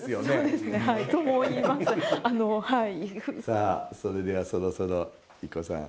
さあそれではそろそろＩＫＫＯさん。